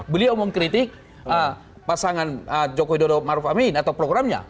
beliau mengkritik pasangan joko widodo maruf amin atau programnya